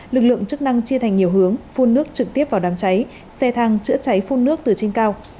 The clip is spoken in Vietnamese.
lực lượng chức năng chia thành nhiều hướng phun nước trực tiếp vào đám cháy xe thang chữa cháy phun nước từ trên cao